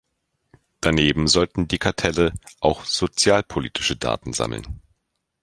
Daneben sollten die Kartelle auch sozialpolitische Daten sammeln.